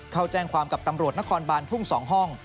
เขาแจ้งความกับตำรวจนครบานทุ่ง๒ห้อง